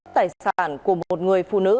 tài sản của một người phụ nữ